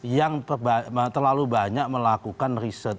yang terlalu banyak melakukan riset